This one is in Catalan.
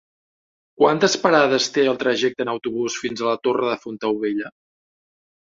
Quantes parades té el trajecte en autobús fins a la Torre de Fontaubella?